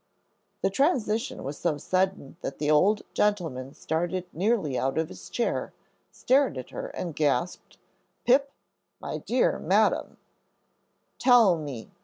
The transition was so sudden that the old gentleman started nearly out of his chair, stared at her, and gasped, "Pip my dear Madam " "Tell me."